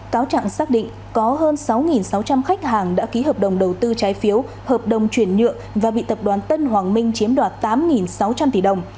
cáo trạng xác định có hơn sáu sáu trăm linh khách hàng đã ký hợp đồng đầu tư trái phiếu hợp đồng chuyển nhựa và bị tập đoàn tân hoàng minh chiếm đoạt tám sáu trăm linh tỷ đồng